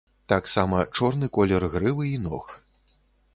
Таксама чорны колер грывы і ног.